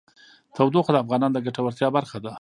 تودوخه د افغانانو د ګټورتیا برخه ده.